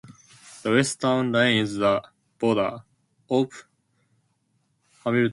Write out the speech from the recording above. The west town line is the border of Hamilton County.